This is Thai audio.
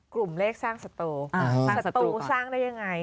กลุ่มเลขสร้างสัตว์สัตว์สร้างได้อย่างไร